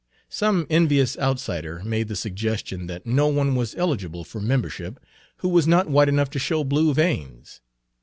Some envious outsider made the suggestion that no one was eligible for membership who was not white enough to show blue veins.